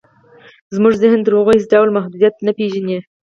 زموږ ذهن تر هغو هېڅ ډول محدودیت نه پېژني